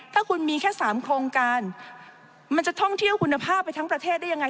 ถ้าคุณมีแค่๓โครงการมันจะท่องเที่ยวคุณภาพไปทั้งประเทศได้ยังไง